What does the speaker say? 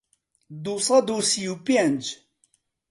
دوو سەد و سی و پێنج